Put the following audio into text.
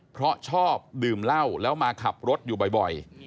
เพราะชอบดื่มเหล้าแล้วมาขับรถอยู่บ่อย